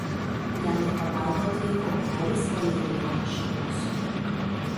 Jam į pagalbą atvyko brolis Valerijonas Šimkus.